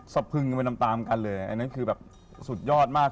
พึงไปตามตามกันเลยอันนั้นคือแบบสุดยอดมาก